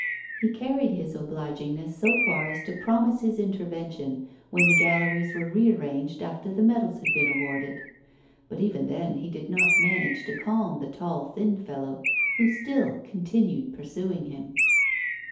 He carried his obligingness so far as to promise his intervention when the galleries were rearranged after the medals had been awarded; but even then he did not manage to calm the tall thin fellow, who still continued pursuing him.